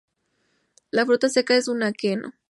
La fruta seca es un aquenio.